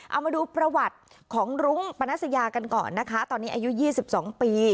เอามาดูประวัติของรุ้งปนัสยากันก่อนนะคะตอนนี้อายุ๒๒ปี